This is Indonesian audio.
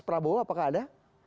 prabowo apakah ada